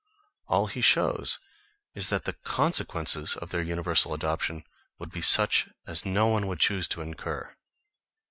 All he shows is that the consequences of their universal adoption would be such as no one would choose to incur.